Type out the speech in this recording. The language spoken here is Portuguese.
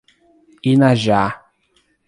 Inajá